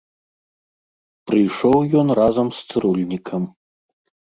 Прыйшоў ён разам з цырульнікам.